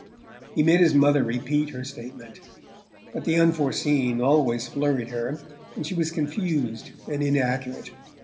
He made his mother repeat her statement; but the unforeseen always flurried her, and she was confused and inaccurate.